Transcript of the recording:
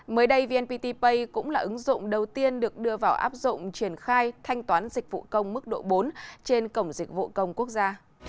mới đây vnpt pay cũng là ứng dụng đầu tiên được đưa vào áp dụng triển khai thanh toán dịch vụ công mức độ bốn trên cổng dịch vụ công quốc gia